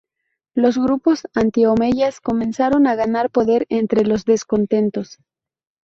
Los grupos anti-omeyas comenzaron a ganar poder entre los descontentos.